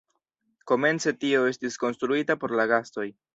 Komence tio estis konstruita por la gastoj.